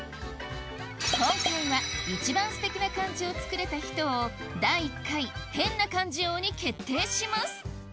今回は一番すてきな漢字を作れた人を「第１回へんなかんじ王」に決定します